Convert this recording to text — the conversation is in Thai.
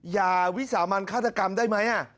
อย่าวิสามันฆาตกรรมได้ไหม